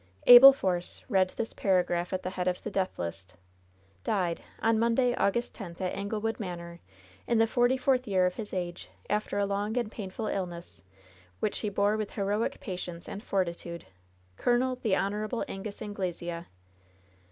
Abel Force read this paragraph at the head of the death list: "Died. — On Monday, August 10th, at Anglewood Manor, in the forty fourth year of his age, after a long and painful illness, which he bore with heroic patience and fortitude. Col. the Hon. Angus Anglesea."